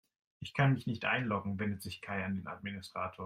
Ich kann mich nicht einloggen, wendet sich Kai an den Administrator.